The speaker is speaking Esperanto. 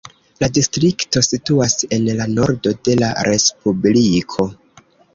La distrikto situas en la nordo de la respubliko.